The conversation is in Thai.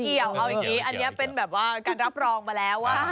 เกี่ยวเอาอย่างนี้อันนี้เป็นแบบว่าการรับรองมาแล้วว่า